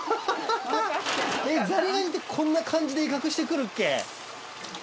ザリガニってこんな感じで威嚇してくるっけ？